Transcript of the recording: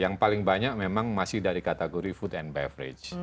yang paling banyak memang masih dari kategori food and beverage